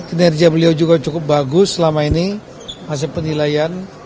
kinerja beliau juga cukup bagus selama ini hasil penilaian